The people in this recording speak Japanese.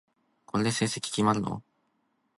これで成績決まるの？